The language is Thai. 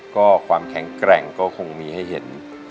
ก็ความแข็งแกร่งก็คงมีให้เห็น